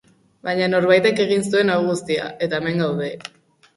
Baina norbaitek egin zuen hau guztia, eta hemen gaude.